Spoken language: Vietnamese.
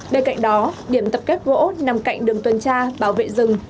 bên cạnh đó điểm tập kết gỗ nằm cạnh đường tuần tra bảo vệ rừng